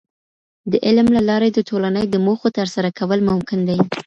د علم له لارې د ټولني د موخو ترسره کول ممکن دي.